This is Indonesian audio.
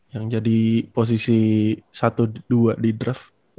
yang jadi posisi satu dua di draft